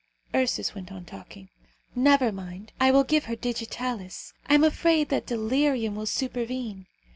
Ursus went on talking. "Never mind, I will give her digitalis. I am afraid that delirium will supervene.